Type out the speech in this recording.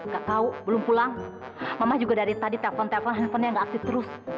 nggak tahu belum pulang mama juga dari tadi telpon telpon handphonenya nggak aktif terus